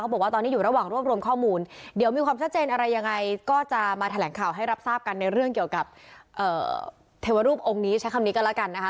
บอกว่าตอนนี้อยู่ระหว่างรวบรวมข้อมูลเดี๋ยวมีความชัดเจนอะไรยังไงก็จะมาแถลงข่าวให้รับทราบกันในเรื่องเกี่ยวกับเทวรูปองค์นี้ใช้คำนี้ก็แล้วกันนะคะ